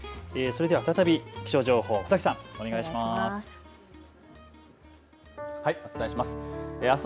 それでは再び、気象情報、船木さんお願いします。